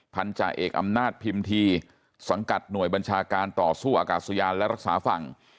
พันธาเอกอำนาจพิมพีสังกัดหน่วยบัญชาการต่อสู้อากาศยานและรักษาฝั่ง